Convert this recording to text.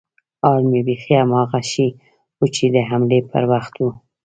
حال مې بيخي هماغه شى و چې د حملې پر وخت و.